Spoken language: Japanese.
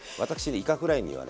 イカフライにはね